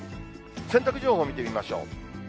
洗濯情報を見てみましょう。